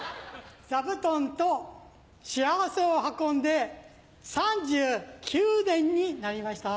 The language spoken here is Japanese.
座布団と幸せを運んで３９年になりました。